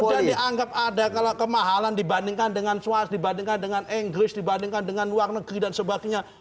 nah kalau kemudian dianggap ada kalau kemahalan dibandingkan dengan swasta dibandingkan dengan english dibandingkan dengan luar negeri dan sebagainya